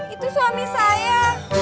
itu suami saya